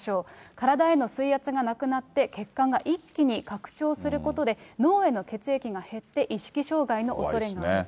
体への水圧がなくなって、血管が一気に拡張することで、脳への血液が減って、意識障害のおそれがあると。